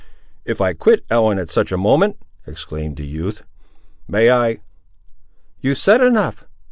"If I quit Ellen, at such a moment," exclaimed the youth, "may I—" "You've said enough!"